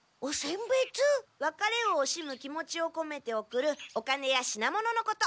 わかれをおしむ気持ちをこめておくるお金や品物のこと。